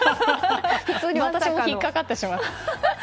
普通に引っかかってしまった。